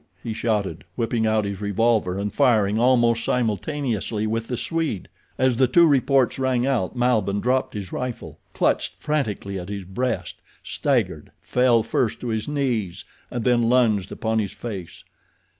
he shouted, whipping out his revolver and firing almost simultaneously with the Swede. As the two reports rang out Malbihn dropped his rifle, clutched frantically at his breast, staggered, fell first to his knees and then lunged upon his face.